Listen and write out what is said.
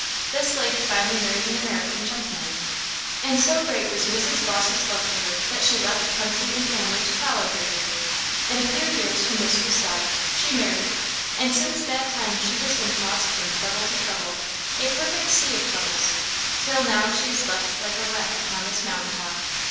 This lady finally married an American gentleman; and so great was Mrs. Vawse's love to her, that she left country and family to follow her here. In a few years her mistress died; she married; and since that time she has been tossed from trouble to trouble a perfect sea of troubles till now she is left like a wreck upon this mountain top.